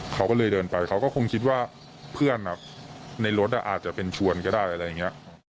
เขาก็เลยเดินไปเขาก็คงคิดว่าเพื่อนในรถอาจจะเป็นชวนก็ได้อะไรอย่างนี้